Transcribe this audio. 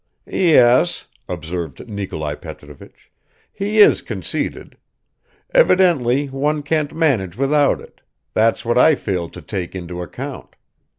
"Yes," observed Nikolai Petrovich, "he is conceited. Evidently one can't manage without it, that's what I failed to take into account.